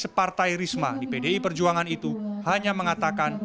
separtai risma di pdi perjuangan itu hanya mengatakan